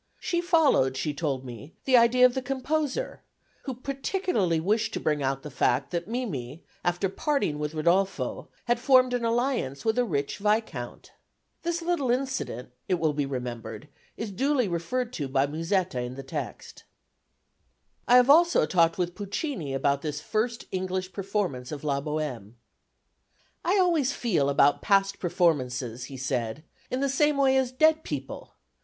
She followed, she told me, the idea of the composer, who particularly wished to bring out the fact that Mimi, after parting with Rodolfo, had formed an alliance with a rich viscount. This little incident, it will be remembered, is duly referred to by Musetta in the text. [Illustration: PUCCINI'S MANUSCRIPT SCORES. FROM THE LAST ACT OF "LA BOHÈME"] I have also talked with Puccini about this first English performance of La Bohème. "I always feel about past performances," he said, "in the same way as dead people.